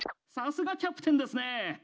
さすがキャプテンですね！